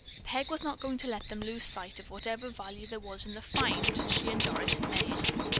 Peg was not going to let them lose sight of whatever value there was in the "find" she and Doris had made.